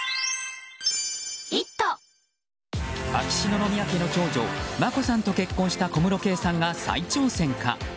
秋篠宮家の長女・眞子さんと結婚した小室圭さんが再挑戦か。